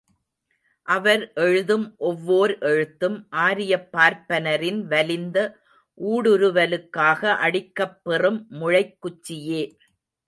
அவர் எழுதும் ஒவ்வோர் எழுத்தும் ஆரியப் பார்ப்பனரின் வலிந்த ஊடுருவலுக்காக அடிக்கப்பெறும் முளைக்குச்சியே!